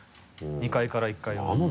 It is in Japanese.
２階から１階の。